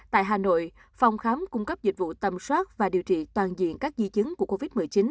tại hà nội phòng khám cung cấp dịch vụ tầm soát và điều trị toàn diện các di chứng của covid một mươi chín